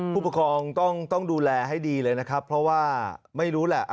ผู้ปกครองต้องดูแลให้ดีเลยนะครับเพราะว่าไม่รู้แหละ